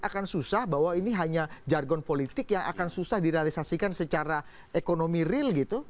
akan susah bahwa ini hanya jargon politik yang akan susah direalisasikan secara ekonomi real gitu